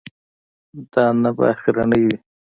دا نه به اخرنی وي.